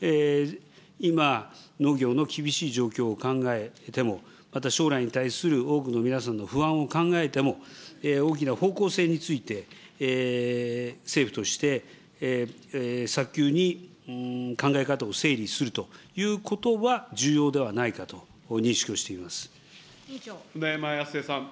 今、農業の厳しい状況を考えても、また将来に対する多くの皆さんの不安を考えても、大きな方向性について、政府として、早急に考え方を整理するということは重要ではないかと認識をして舟山康江さん。